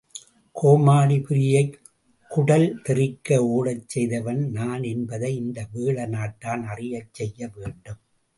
கோமளபுரியைக் குடல் தெறிக்க ஓடச் செய்தவன் நான் என்பதை இந்த வேழ நாட்டான் அறியச் செய்ய வேண்டும்.